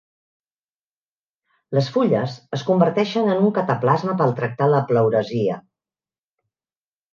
Les fulles es converteixen en un cataplasma per tractar la pleuresia.